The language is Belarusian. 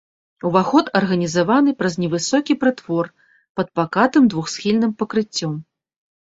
Уваход арганізаваны праз невысокі прытвор пад пакатым двухсхільным пакрыццём.